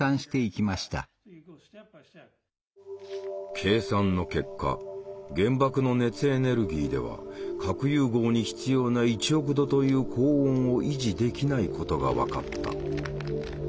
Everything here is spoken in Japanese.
計算の結果原爆の熱エネルギーでは核融合に必要な１億度という高温を維持できないことが分かった。